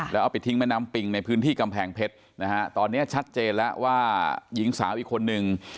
แล้วเอาไปทิ้งแม่น้ำปิงในพื้นที่กำแพงเพชรนะฮะตอนนี้ชัดเจนแล้วว่าหญิงสาวอีกคนนึง